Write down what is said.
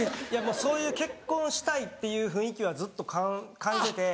そういう結婚をしたいという雰囲気はずっと感じてて。